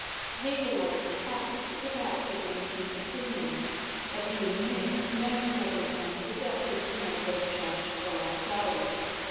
He relates facts without giving his opinion; but he omits no circumstance adapted to make us judge for ourselves.